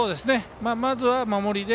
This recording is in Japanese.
まずは守りで。